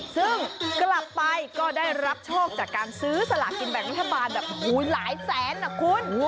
ซึ่งกลับไปก็ได้รับโชคจากการซื้อสลากินแบ่งรัฐบาลแบบหลายแสนนะคุณ